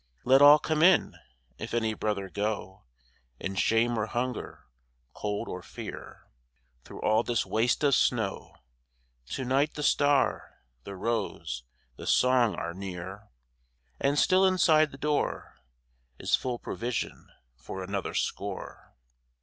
Let all come in, if any brother go In shame or hunger, cold or fear, Through all this waste of snow. To night the Star, the Rose, the Song are near, And still inside the door Is full provision for another score.